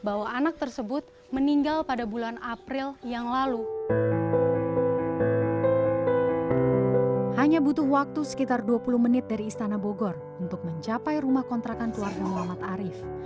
hanya butuh waktu sekitar dua puluh menit dari istana bogor untuk mencapai rumah kontrakan keluarga muhammad arief